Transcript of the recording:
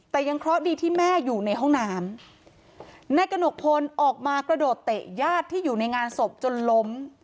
แต่ยังเคราะห์ดีที่แม่อยู่ในห้องน้ำนายกระหนกพลออกมากระโดดเตะญาติที่อยู่ในงานศพจนล้ม